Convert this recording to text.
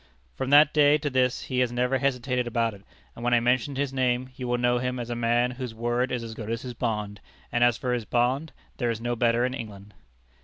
From that day to this he has never hesitated about it, and when I mention his name, you will know him as a man whose word is as good as his bond, and as for his bond, there is no better in England."